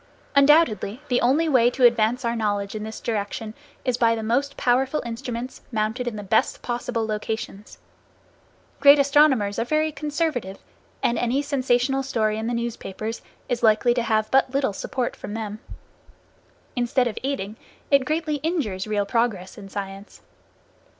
Undoubtedly, the only way to advance our knowledge in this direction is by the most powerful instruments, mounted in the best possible locations. Great astronomers are very conservative, and any sensational story in the newspapers is likely to have but little support from them. Instead of aiding, it greatly injures real progress in science.